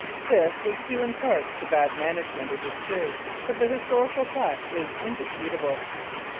This was due in part to bad management, it is true, but the historical fact is indisputable.